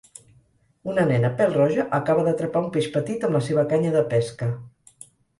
Una nena pèl-roja acaba d'atrapar un peix petit amb la seva canya de pesca.